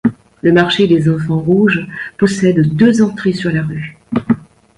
Le marché des Enfants-Rouges possède deux entrées sur la rue.